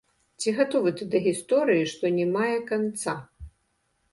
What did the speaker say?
Ці гатовы ты да гісторыі, што не мае канца?